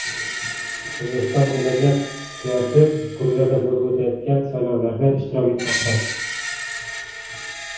O‘zbekiston delegasiyasi Gruziyada bo‘lib o‘tayotgan saylovlarda ishtirok etmoqda